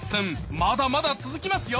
まだまだ続きますよ！